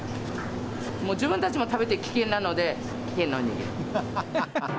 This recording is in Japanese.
もう自分達も食べて危険なので、危険なおにぎり。